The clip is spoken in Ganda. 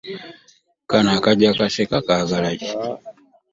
Kano akajja kaseka kaagala ki?